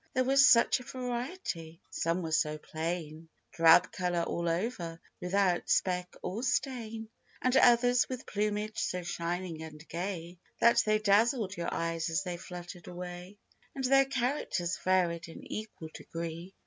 There was such a variety. Some were so plain ; Drab color all over, without speck or stain ; And others, with plumage so shining and gay, That they dazzled your eyes as they fluttered away. THE OLD MAGPIE. 101 And their characters varied in equal degree.